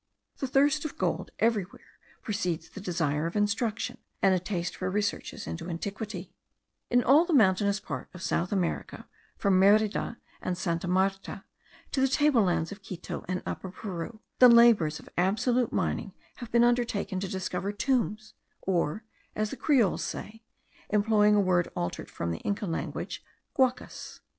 The thirst of gold everywhere precedes the desire of instruction, and a taste for researches into antiquity; in all the mountainous part of South America, from Merida and Santa Martha to the table lands of Quito and Upper Peru, the labours of absolute mining have been undertaken to discover tombs, or, as the Creoles say, employing a word altered from the Inca language, guacas.